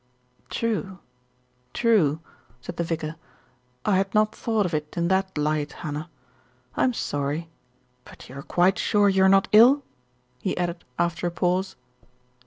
' "True, true," said the vicar; "I had not thought of it in that light, Hannah. I am sorry; but you are quite sure you are not ill?" he added after a pause.